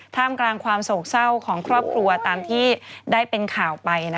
ท่ามกลางความโศกเศร้าของครอบครัวตามที่ได้เป็นข่าวไป